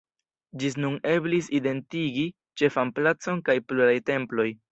Ĝis nun eblis identigi ĉefan placon kaj pluraj temploj.